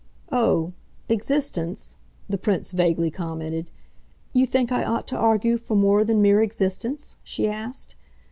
"Oh existence!" the Prince vaguely commented. "You think I ought to argue for more than mere existence?" she asked.